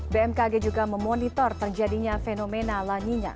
bmkg juga memonitor terjadinya fenomena laninya